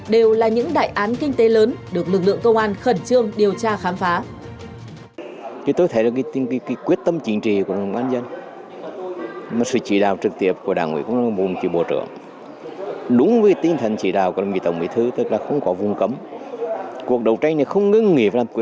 đều là những đại án kinh tế lớn được lực lượng công an khẩn